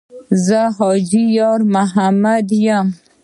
ـ زه حاجي یارمحمد یم.